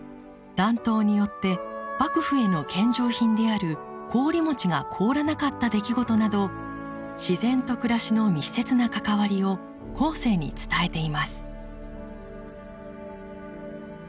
暖冬によって幕府への献上品である氷餅が凍らなかった出来事など自然と暮らしの密接な関わりを後世に伝えています。